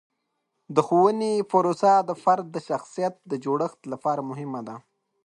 د ښوونې پروسه د فرد د شخصیت د جوړښت لپاره مهمه ده.